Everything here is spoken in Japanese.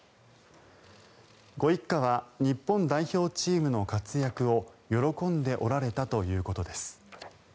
ご一家は日本代表チームの活躍を喜んでおられたということです。